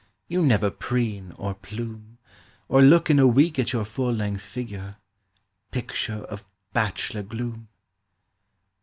You never preen or plume, Or look in a week at your full length figure— Picture of bachelor gloom!